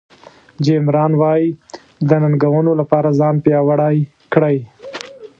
جیم ران وایي د ننګونو لپاره ځان پیاوړی کړئ.